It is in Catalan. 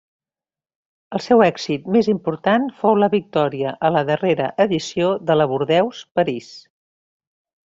El seu èxit més important fou la victòria a la darrera edició de la Bordeus-París.